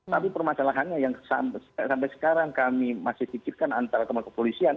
tapi permasalahannya yang sampai sekarang kami masih pikirkan antara teman kepolisian